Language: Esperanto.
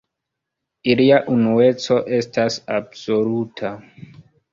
Ilia unueco estas absoluta.